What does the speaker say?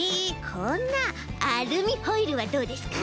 こんなアルミホイルはどうですか？